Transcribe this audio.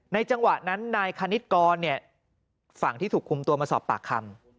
จังหวะนั้นนายคณิตกรฝั่งที่ถูกคุมตัวมาสอบปากคำ